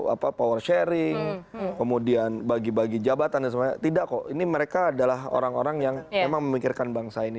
apa power sharing kemudian bagi bagi jabatan dan sebagainya tidak kok ini mereka adalah orang orang yang memang memikirkan bangsa ini